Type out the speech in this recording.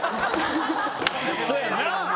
そやんな。